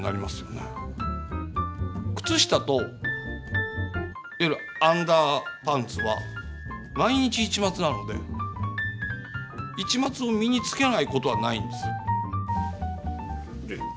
靴下といわゆるアンダーパンツは毎日市松なので市松を身につけないことはないんです。